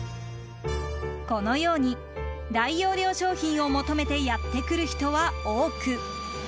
このように大容量商品を求めてやってくる人は多く。